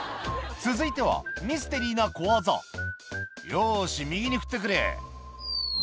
続いてはミステリーな小技「よし右に振ってくれ」